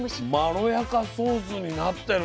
まろやかソースになってる。